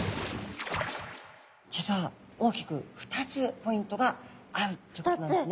実は大きく２つポイントがあるってことなんですね。